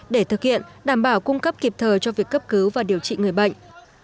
để thực hiện đảm bảo cung cấp kịp thời cho việc cấp cứu và điều trị người bệnh